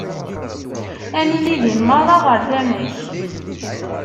Ad nili din merra ɣer tama-k.